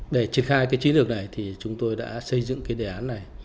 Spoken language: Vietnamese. để triệt khai chiến lược này chúng tôi đã xây dựng đề án này